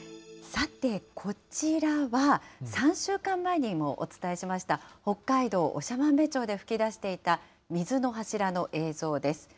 さてこちらは、３週間前にもお伝えしました、北海道長万部町で噴き出していた水の柱の映像です。